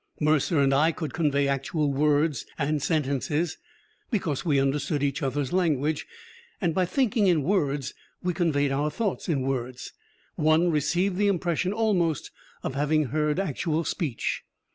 Mercer and I could convey actual words and sentences, because we understood each other's language, and by thinking in words, we conveyed our thoughts in words. One received the impression, almost, of having heard actual speech.